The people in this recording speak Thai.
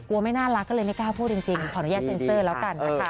ไม่น่ารักก็เลยไม่กล้าพูดจริงขออนุญาตเซ็นเซอร์แล้วกันนะคะ